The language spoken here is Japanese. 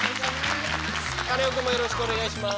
カネオくんもよろしくお願いします。